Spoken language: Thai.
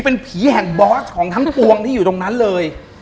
เป็นผีแห่งบอสของทั้งปวงที่อยู่ตรงนั้นเลย